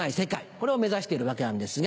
これを目指してるわけなんですが。